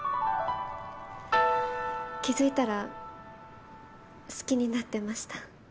気づいたら好きになってました。